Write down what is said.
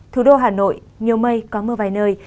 thủ đô hà nội nhiều mây có mưa vài nơi